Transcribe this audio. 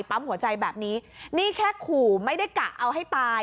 ปั๊มหัวใจแบบนี้นี่แค่ขู่ไม่ได้กะเอาให้ตาย